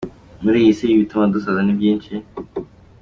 Muri iyi si, ibituma dusaza ni byinshi.